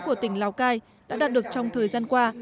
của tỉnh lào cai đã đạt được trong thời gian qua